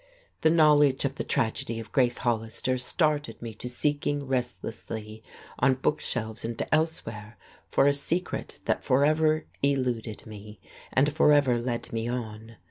The knowledge of the tragedy of Grace Hollister started me to seeking restlessly, on bookshelves and elsewhere, for a secret that forever eluded me, and forever led me on.